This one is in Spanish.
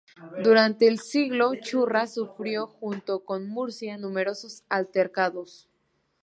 Durante todo el siglo Churra sufrió, junto con Murcia, numerosos altercados.